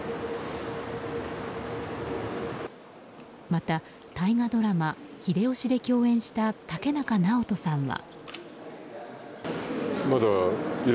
また、大河ドラマ「秀吉」で共演した竹中直人さんは。